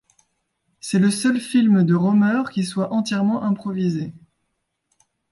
C'est le seul film de Rohmer qui soit entièrement improvisé.